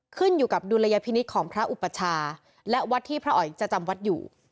ขึ้นอยู่กับดุลยพินิษฐ์ของพระอุปชาและวัดที่พระอ๋อยจะจำวัดอยู่